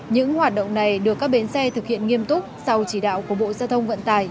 những hoạt động này được các bến xe thực hiện nghiêm túc sau chỉ đạo của bộ giao thông vận tải